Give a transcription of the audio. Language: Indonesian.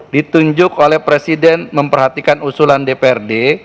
ditunjuk oleh presiden memperhatikan usulan dprd